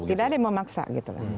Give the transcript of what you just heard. tidak ada yang mau maksa gitu